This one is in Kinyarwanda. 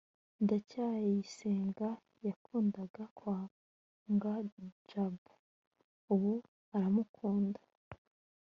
ndacyayisenga yakundaga kwanga jabo. ubu aramukunda